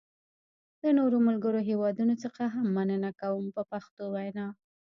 له نورو ملګرو هېوادونو څخه هم مننه کوم په پښتو وینا.